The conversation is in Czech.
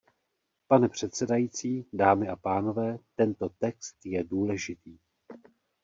Pane předsedající, dámy a pánové, tento text je důležitý.